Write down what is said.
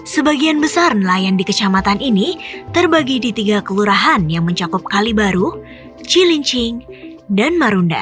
sebagian besar nelayan di kecamatan ini terbagi di tiga kelurahan yang mencakup kali baru cilincing dan marunda